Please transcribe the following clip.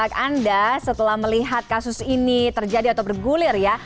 apakah anda setelah melihat kasus ini terjadi atau bergulir ya